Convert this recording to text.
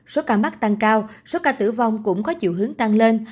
số ca mắc tăng cao số ca tử vong cũng có chiều hướng tăng lên